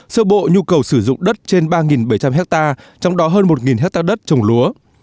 sơ bộ nhu cầu sử dụng đất trên ba bảy trăm linh hectare trong đó hơn một hectare đất trồng lúa